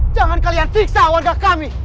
jangan kalian siksa warga kami